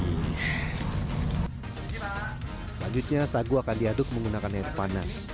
selanjutnya sagu akan diaduk menggunakan air panas